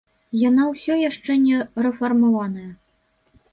Яна ўсё яшчэ не рэфармаваная.